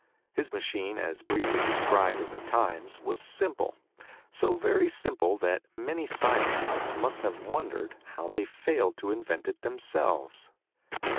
His machine, as briefly described in the Times, was simple; so very simple that many scientists must have wondered how they failed to invent it themselves.